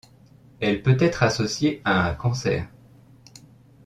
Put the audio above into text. Elle peut être associée à un cancer.